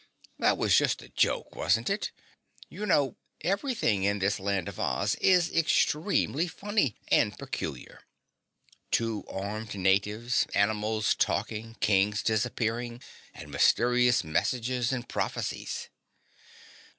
"That was just a joke, wasn't it? You know, everything in this Land of Oz is extremely funny and peculiar. Two armed natives, animals talking, Kings disappearing and mysterious messages and prophecies."